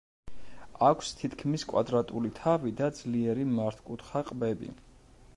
აქვს თითქმის კვადრატული თავი და ძლიერი მართკუთხა ყბები.